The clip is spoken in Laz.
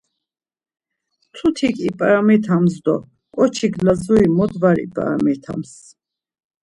Mtutik ip̌aramitams do ǩoçik Lazuri mot var ip̌aramitams?